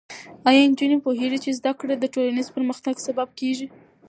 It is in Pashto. ایا نجونې پوهېږي چې زده کړه د ټولنیز پرمختګ سبب کېږي؟